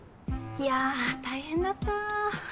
いや大変だった。